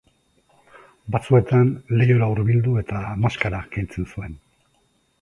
Batzuetan lehiora hurbildu eta maskara kentzen zuen.